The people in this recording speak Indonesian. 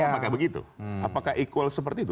maka begitu apakah equal seperti itu